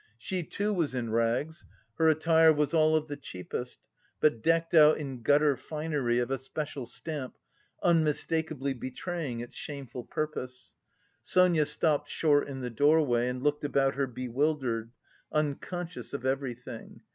She, too, was in rags, her attire was all of the cheapest, but decked out in gutter finery of a special stamp, unmistakably betraying its shameful purpose. Sonia stopped short in the doorway and looked about her bewildered, unconscious of everything.